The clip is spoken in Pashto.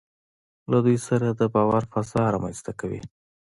له دوی سره د باور فضا رامنځته کوي.